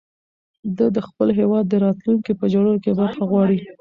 ده د خپل هېواد د راتلونکي په جوړولو کې برخه غواړي.